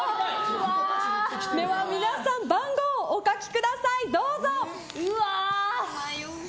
では皆さん番号をお書きください。